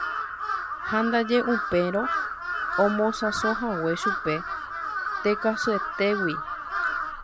ha ndaje upérõ omosãsohague chupe teko'asyetégui.